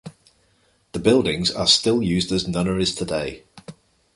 The buildings are still used as nunneries today.